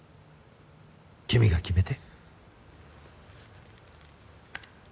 君が決めて。